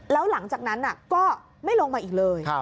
แล้วหลังจากนั้นก็ไม่ลงมาอีกเลย